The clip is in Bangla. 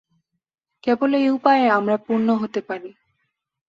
কেবল এই উপায়েই আমরা পূর্ণ হইতে পারি।